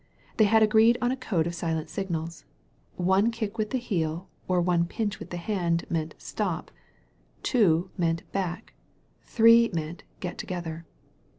They had agreed on a code of silent signals: One kick with the heel or one pinch with the hand meant "stop"; two meant "back; three meant "get together.'